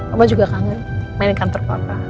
mama juga kangen main kantor papa